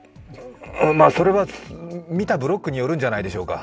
まあ、それは見たブロックによるんじゃないでしょうか。